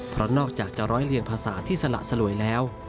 เพราะนอกจากจะร้อยเรียงภาษาที่สละสลวยแล้ว